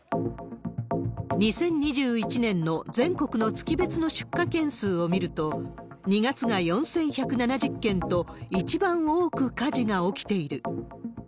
２０２１年の全国の月別の出火件数を見ると、２月が４１７０件と一番多く火事が起きている。